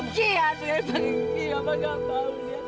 udah pergi ya tuhan pergi mama nggak mau ya